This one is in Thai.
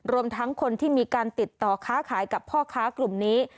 รวมทั้งคนที่มีการติดต่อค้าขายกับพ่อค้ากลุ่มนี้